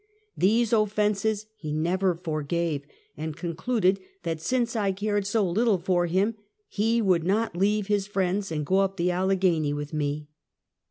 These offenses he never forgave, and concluded that since I cared so little for him, he would not leave his friends and go up the Allegheny with me.